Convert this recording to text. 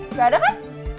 gak ada kan